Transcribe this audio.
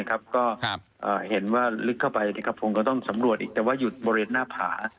ก็เห็นว่าลึกเข้าไปกระพงก็ต้องสำรวจอีกแต่ว่าหยุดบริเวณหน้าผา